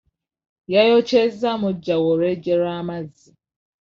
Yayokyezza mujjawe olwejje lw'amazzi.